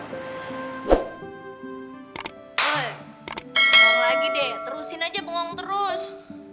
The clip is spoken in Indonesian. hei bongong lagi deh terusin aja bongong terus